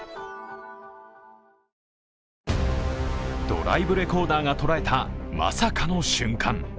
ドライブレコーダーが捉えたまさかの瞬間。